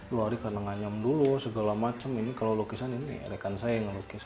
lu hari karena nganyam dulu segala macam ini kalau lukisan ini rekan saya yang lukisan